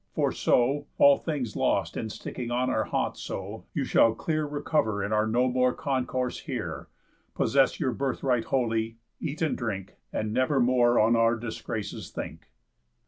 For so, all things lost In sticking on our haunt so, you shall clear Recover in our no more concourse here, Possess your birth right wholly, eat and drink, And never more on our disgraces think."